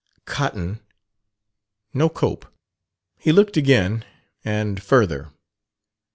Cotton ... No Cope. He looked again, and further.